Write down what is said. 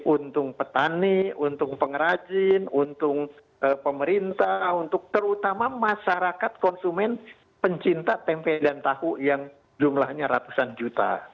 untung petani untung pengrajin untung pemerintah untuk terutama masyarakat konsumen pencinta tempe dan tahu yang jumlahnya ratusan juta